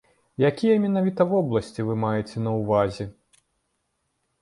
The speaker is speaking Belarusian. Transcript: Якія менавіта вобласці вы маеце на ўвазе?